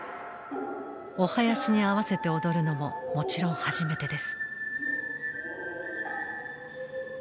お囃子に合わせて踊るのももちろん初めてです。